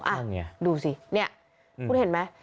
อ่ะดูสิเนี่ยคุณเห็นไหม